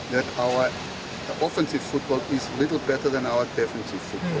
bahwa futbol ofensif kita sedikit lebih baik daripada futbol defensif kita